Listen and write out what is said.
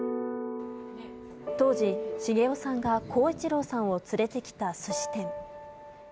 当時、繁雄さんが耕一郎さんを連れてきたすし店。